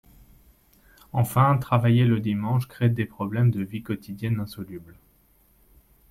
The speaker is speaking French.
Enfin, travailler le dimanche crée des problèmes de vie quotidienne insolubles.